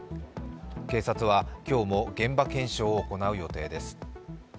警察は今日も現場検証を行う予定です。